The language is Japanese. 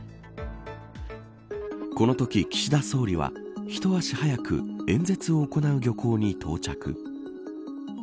このとき、岸田総理はひと足早く演説を行う漁港に到着。